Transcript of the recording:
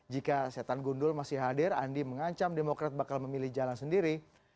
jika setan gundul masih hadir andi mengancam demokrat bakal memilih jalan sendiri